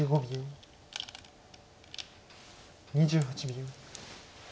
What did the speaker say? ２８秒。